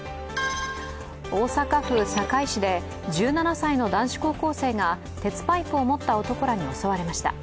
大阪府堺市で、１７歳の男子高校生が鉄パイプを持った男らに襲われました。